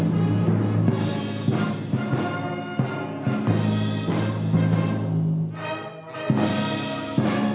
menangkap setelah molen politik di inning saat